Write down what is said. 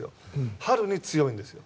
春に強いんです。